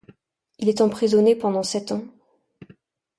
Il est emprisonné pendant sept ans.